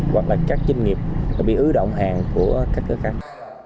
hoặc là các doanh nghiệp bị ưu động hàng của các cơ khách